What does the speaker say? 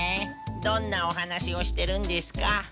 どんなおはなしをしてるんですか？